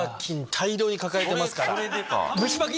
大量に抱えてますから。